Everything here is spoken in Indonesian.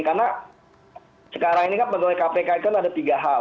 karena sekarang ini kan pegawai kpk itu ada tiga hal